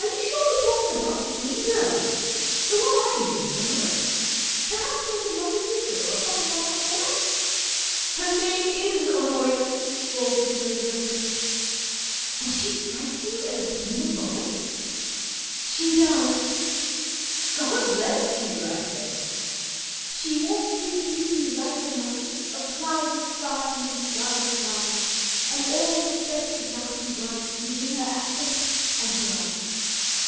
[ 4 Are you sure we're talking about the same girl ? The one I mean is Honoria. Perhaps there's a younger sister or something I've not heard of ?" 44 Her name is Honoria," bawled Bingo, reverently. 44 And she strikes you as a tender goddess?" 41 She does." 44 God bless you !'* I said. 14 She walks in beauty like the night of cloudless climes and starry skies ; and all that's best of dark and bright meet in her aspect and her eyes.